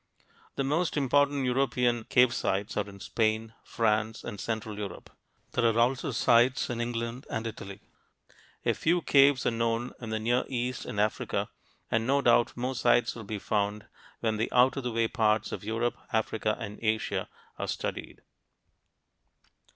The most important European cave sites are in Spain, France, and central Europe; there are also sites in England and Italy. A few caves are known in the Near East and Africa, and no doubt more sites will be found when the out of the way parts of Europe, Africa, and Asia are studied.